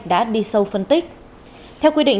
đã đi sâu phân tích theo quy định